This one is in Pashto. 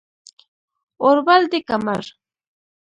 اور بل دی که مړ